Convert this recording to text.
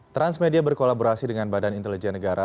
transmedia berkolaborasi dengan badan intelijen negara